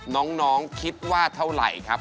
น้องคิดว่าเท่าไหร่ครับ